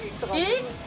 えっ！